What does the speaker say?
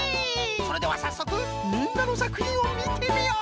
それではさっそくみんなのさくひんをみてみよう！